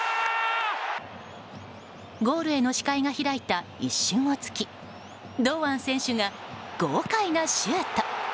ゴールへの視界が開いた一瞬を突き堂安選手が豪快なシュート。